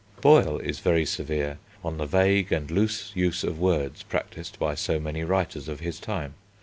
Boyle is very severe on the vague and loose use of words practised by so many writers of his time.